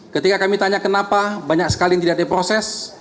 ketika kami tanya kenapa banyak sekali yang tidak diproses